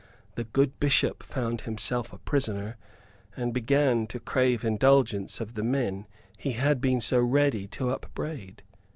The good Bishop found himself a prisoner, and began to crave indulgence of the men he had been so ready to upbraid.